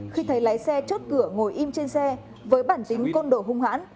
khi thấy lái xe chốt cửa ngồi im trên xe với bản tính côn đồ hung hãn